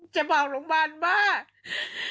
จะบอกโรงพยาบาลว่า